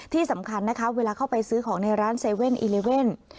ที่สำคัญนะคะเวลาเข้าไปซื้อของในร้านเซเว่นอีเลเว่น